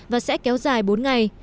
và sẽ kéo dài bốn ngày